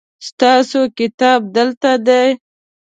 ستاسو کتاب دلته دی